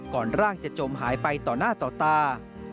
ร่างจะจมหายไปต่อหน้าต่อตา